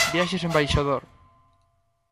Viaxes Embaixador.